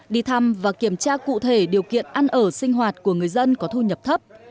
đi thăm và kiểm tra cụ thể điều kiện ăn ở sinh hoạt của người dân có thu nhập thấp